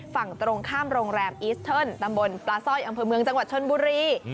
ฝั่งตรงข้ามโรงแรมอีสเทิร์นตำบลปลาสร้อยอำเภอเมืองจังหวัดชนบุรี